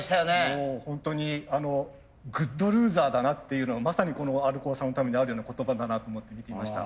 もうホントにグッドルーザーだなっていうのまさにこのＲコーさんのためにあるような言葉だなと思って見ていました。